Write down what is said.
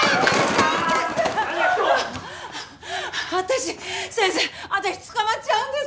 私先生私捕まっちゃうんですか！？